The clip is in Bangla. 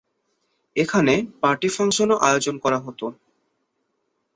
এখানে পার্টি-ফাংশনও আয়োজন করা হত।